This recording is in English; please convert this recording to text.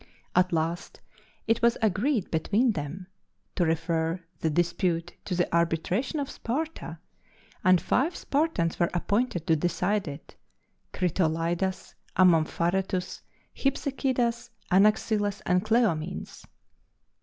At last it was agreed between them to refer the dispute to the arbitration of Sparta, and five Spartans were appointed to decide it Critolaidas, Amompharetus, Hypsechidas, Anaxilas, and Cleomenes.